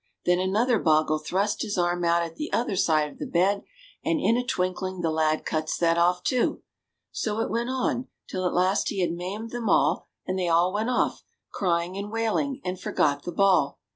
Then another bogle thrust his arm out at t'other side of the bed, and in a twinkling ^ the lad cuts that off too. So it went on, till at last he had maimed them all, and they all went off, crying and wailing, and forgot the ball